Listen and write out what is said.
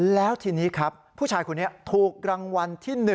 แล้วทีนี้ครับผู้ชายคนนี้ถูกรางวัลที่๑